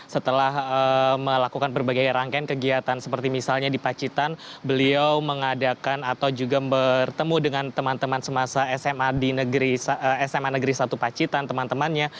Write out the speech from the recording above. setelah melakukan berbagai rangkaian kegiatan seperti misalnya di pacitan beliau mengadakan atau juga bertemu dengan teman teman semasa sma di sma negeri satu pacitan teman temannya